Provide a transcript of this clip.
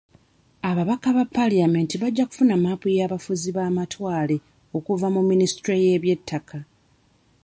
Ababaka ba paalamenti bajja kufuna mmaapu y'abafuzi b'amatwale okuva mu minisitule y'ebyettaka.